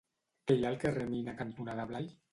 Què hi ha al carrer Mina cantonada Blai?